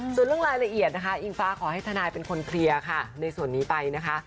ส่วนเรื่องรายละเอียดนะคะอิงฟ้าขอให้ทนายเป็นคนเคลียร์ค่ะในส่วนนี้ไปนะคะ